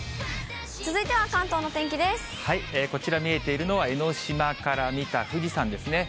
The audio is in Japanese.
こちら、見えているのは江の島から見た富士山ですね。